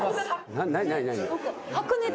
何？